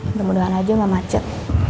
mudah mudahan aja sama macet